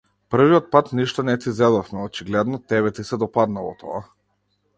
Првиот пат ништо не ти зедовме, а очигледно, тебе ти се допаднало тоа.